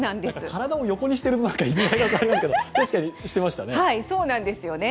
体を横にしている意味合いは分かりますけど確かにしてましたね。